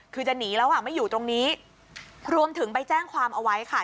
คือจะหนีแล้วอ่ะไม่อยู่ตรงนี้รวมถึงไปแจ้งความเอาไว้ค่ะ